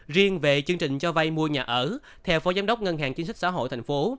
riêng về chương trình cho vay mua nhà ở theo phó giám đốc ngân hàng chính sách xã hội thành phố